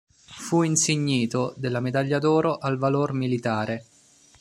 Fu insignito della medaglia d'oro al Valor Militare.